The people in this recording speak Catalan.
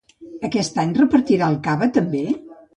Aquest any repartirà el cava també?